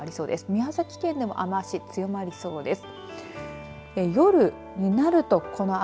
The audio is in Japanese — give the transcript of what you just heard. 宮崎県でも雨足強まりそうです。